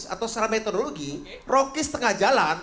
atau secara metodologi rocky setengah jalan